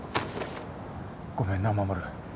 ごめんな衛。